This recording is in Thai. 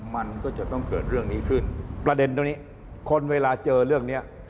มันก็จะต้องเกิดเรื่องนี้ขึ้นประเด็นตรงนี้คนเวลาเจอเรื่องเนี้ย